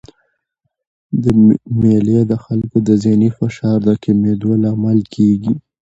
مېلې د خلکو د ذهني فشار د کمېدو لامل کېږي.